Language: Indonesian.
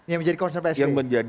yang menjadi konser pak sbe